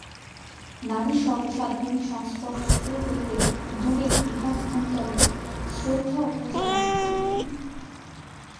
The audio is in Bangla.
নারী সর্বসাধারণের সংস্পর্শ হইতে দূরে গৃহাভ্যন্তরে শ্রদ্ধা ও পূজা লাভ করিতেন।